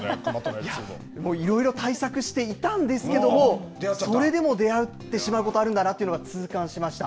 いや、いろいろ対策していたんですけれども、それでも出会ってしまうことあるんだなって痛感しました。